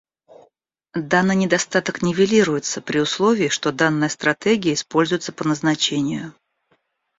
Данный недостаток нивелируется при условии, что данная стратегия используется по назначению